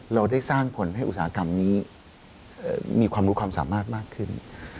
เราได้สร้างผลให้อุตสาหกรรมนี้มีความรู้ความสามารถมากขึ้น